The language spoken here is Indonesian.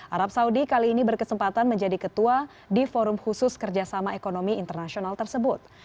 arab saudi kali ini berkesempatan menjadi ketua di forum khusus kerjasama ekonomi internasional tersebut